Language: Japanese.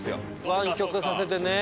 湾曲させてね。